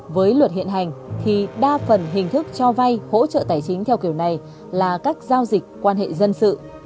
với luật hiện hành thì đa phần hình thức cho vay hỗ trợ tài chính theo kiểu này là các giao dịch quan hệ dân sự